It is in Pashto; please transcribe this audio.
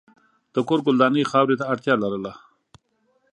د کور ګلداني خاورې ته اړتیا لرله.